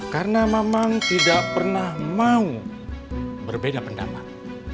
karena mamang tidak pernah mau berbeda pendapat